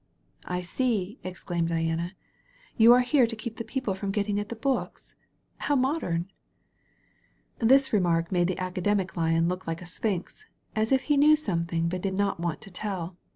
"I see," exclaimed Diana. "You are here to keep the people from getting at the books? How modem!" This remark made the Academic Lion look like a Sphinx, as if he knew something but did not want to tell.